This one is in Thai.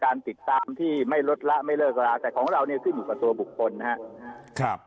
ติดตามที่ไม่ลดละไม่เลิกราแต่ของเราเนี่ยขึ้นอยู่กับตัวบุคคลนะครับ